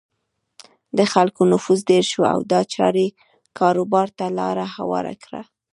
د خلکو نفوس ډېر شو او دا چارې کاروبار ته لاره هواره کړه.